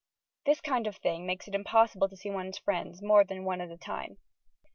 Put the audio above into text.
This kind of thing makes it impossible to see one's friends more than one at a time.